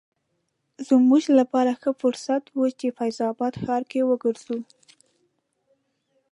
زموږ لپاره ښه فرصت و چې فیض اباد ښار کې وګرځو.